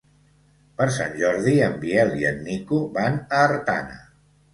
Per Sant Jordi en Biel i en Nico van a Artana.